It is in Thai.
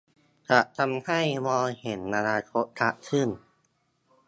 จะทำให้มองเห็นอนาคตชัดขึ้น